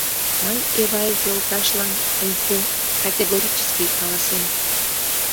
Мый Эваев йолташлан... ыҥхӧ!.. категорически каласем...